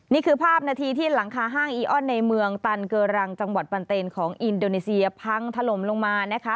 นี่คือภาพนาทีที่หลังคาห้างอีออนในเมืองตันเกอรังจังหวัดปันเตนของอินโดนีเซียพังถล่มลงมานะคะ